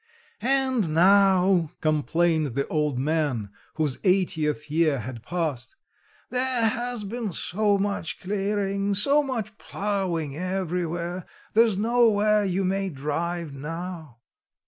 "And now," complained the old man, whose eightieth year had passed, "there has been so much clearing, so much ploughing everywhere, there's nowhere you may drive now."